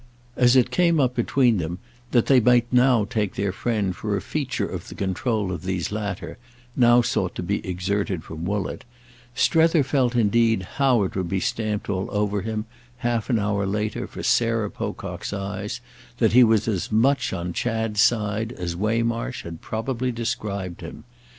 As it came up between them that they might now take their friend for a feature of the control of these latter now sought to be exerted from Woollett, Strether felt indeed how it would be stamped all over him, half an hour later for Sarah Pocock's eyes, that he was as much on Chad's "side" as Waymarsh had probably described him.